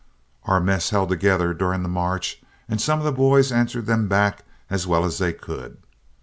Our mess held together during the march, and some of the boys answered them back as well as they could.